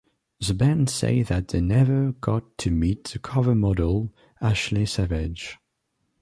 The band say that they never got to meet the cover model, Ashley Savage.